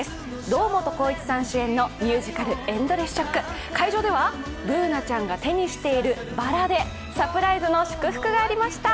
堂本光一さん主演のミュージカル「ＥｎｄｌｅｓｓＳＨＯＣＫ」会場ではＢｏｏｎａちゃんが手にしているばらでサプライズの祝福がありました。